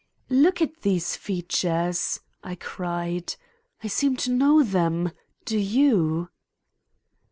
"Look at these features," I cried. "I seem to know them, do you?"